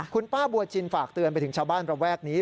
คุณป้าบัวชินฝากเตือนไปถึงชาวบ้านระแวกนี้